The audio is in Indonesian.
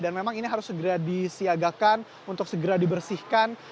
dan memang ini harus segera disiagakan untuk segera dibersihkan